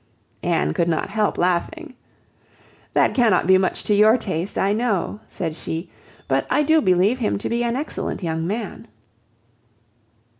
Anne could not help laughing. "That cannot be much to your taste, I know," said she; "but I do believe him to be an excellent young man."